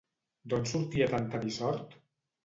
D'on sortia tanta dissort?